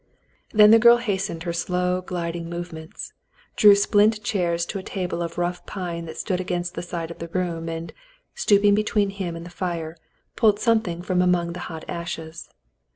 Then the girl hastened her slow, gliding movements, drew splint chairs to a table of rough pine that stood against the side of the room, and, stooping between him and the fire, pulled something from among the hot ashes.